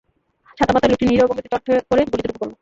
ছাতামাথায় লোকটি নিরীহ ভঙ্গিতে চট করে গলিতে ঢুকে পড়ল।